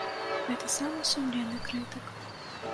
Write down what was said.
Гэта самы сумленны крытык.